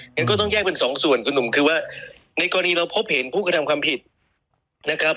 งั้นก็ต้องแยกเป็นสองส่วนคุณหนุ่มคือว่าในกรณีเราพบเห็นผู้กระทำความผิดนะครับ